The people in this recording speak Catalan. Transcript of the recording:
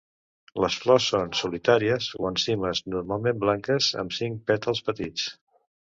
Les flors són solitàries o en cimes, normalment blanques amb cinc pètals petits.